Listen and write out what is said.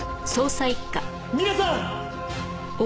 皆さん！